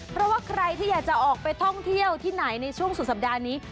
เพราะว่าใครที่อยากจะออกไปท่องเที่ยวที่ไหนในช่วงสุดสัปดาห์นี้